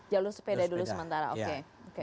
jalur sepeda dulu sementara oke oke